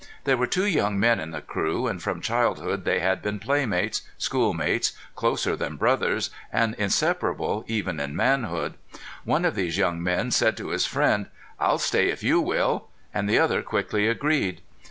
There were two young men in the crew, and from childhood they had been playmates, schoolmates, closer than brothers, and inseparable even in manhood. One of these young men said to his friend: "I'll stay if you will." And the other quickly agreed.